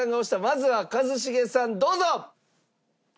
まずは一茂さんどうぞ！